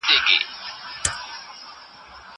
زه اجازه لرم چي کالي وچوم!